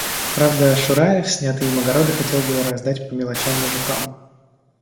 Правда, Шураев снятые им огороды хотел было раздать по мелочам мужикам.